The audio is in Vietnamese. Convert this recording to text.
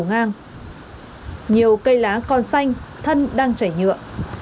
nhiều cây lá còn xanh thân đang chảy nhựa